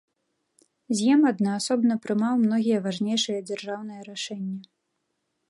З'ем аднаасобна прымаў многія важнейшыя дзяржаўныя рашэнні.